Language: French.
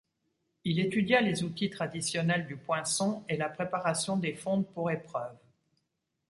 Il étudia les outils traditionnels du poinçon et la préparation des fontes pour épreuves.